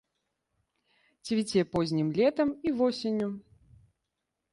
Цвіце познім летам і восенню.